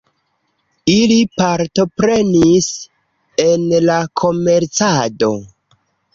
Ili partoprenis en la komercado.